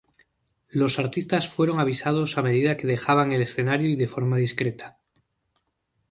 Los artistas fueron avisados a medida que dejaban el escenario y de forma discreta.